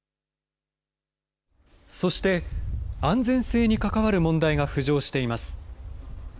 そして、安全性に関わる問題が浮上しています。